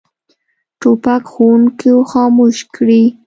توپک ښوونکي خاموش کړي.